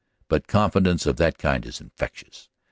But confidence of that kind is infectious.